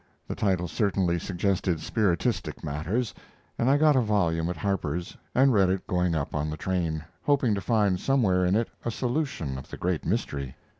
The title certainly suggested spiritistic matters, and I got a volume at Harpers', and read it going up on the train, hoping to find somewhere in it a solution of the great mystery.